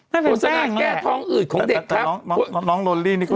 ให้เป็นแก้ท้องอืดของเด็กครับน้องโลลี้นี่ค่ะ